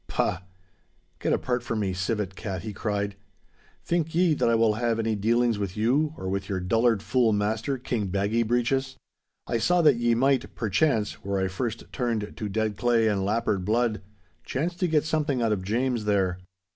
'Pah! Get apart from me, civet cat!' he cried. 'Think ye that I will have any dealings with you or with your dullard fool master, King Baggy breeches. I saw that ye might, perchance, were I first turned to dead clay and lappered blood, chance to get something out of James there.